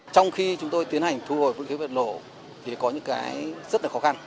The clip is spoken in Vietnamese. trong khi chúng tôi tiến hành thu hồi vũ khí vật lộ thì có những cái rất là khó khăn